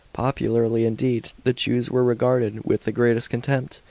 Popularly, indeed, the Jews were regarded with the greatest contempt.